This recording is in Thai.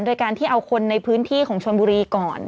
โดยการที่เอาคนในพื้นที่ของชนบุรีก่อน